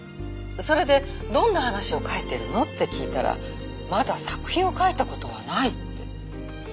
それでどんな話を書いてるの？って聞いたらまだ作品を書いた事はないって。